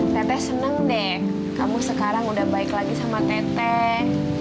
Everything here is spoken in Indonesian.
tete senang deh kamu sekarang udah baik lagi sama teteh